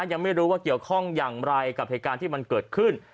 ยังไม่รู้ว่าเกี่ยวข้องอย่างไรกับเหตุการณ์ที่มันเกิดขึ้น